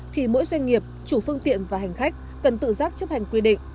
thì mỗi doanh nghiệp chủ phương tiện và hành khách cần tự giác chấp hành quy định